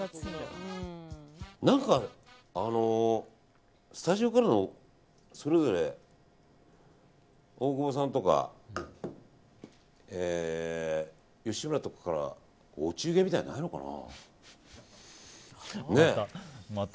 何かスタジオからのそれぞれ大久保さんとか、吉村とかからお中元みたいなのないのかな。